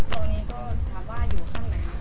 ตอนนี้ก็ถามว่าอยู่ข้างใน